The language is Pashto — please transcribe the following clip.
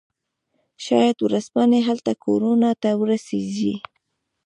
شاید ورځپاڼې هلته کورونو ته ورسیږي